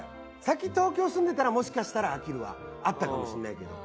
先東京住んでたらもしかしたら飽きるはあったかもしれないけど。